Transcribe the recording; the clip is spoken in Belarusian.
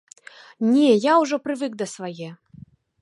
Не, я ўжо прывык да свае.